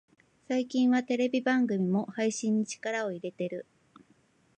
最近はテレビ番組も配信に力を入れてる